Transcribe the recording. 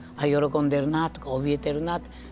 喜んでるなとかおびえてるなって